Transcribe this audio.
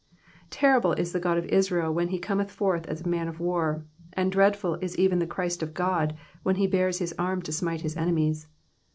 Terrible is the God of Israel when he cometh forth as a man of war, and dreadful is even the Christ of God when he bares his arm to smite his enemies.